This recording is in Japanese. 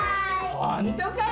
ほんとかよ。